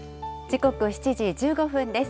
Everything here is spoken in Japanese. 時刻７時１５分です。